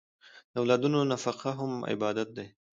د اولادونو نفقه هم عبادت دی.